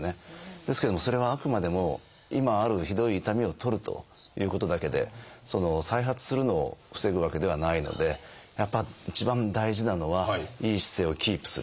ですけどもそれはあくまでも今あるひどい痛みを取るということだけで再発するのを防ぐわけではないのでやっぱ一番大事なのはいい姿勢をキープする。